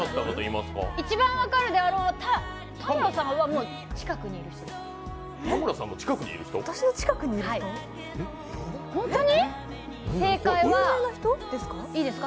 一番分かるであろう、田村さんの近くにいる人。